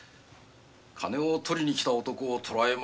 金を取りに来た男を捕らえては。